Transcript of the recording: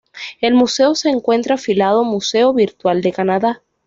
El museo se encuentra afiliado Museo virtual de Canadá.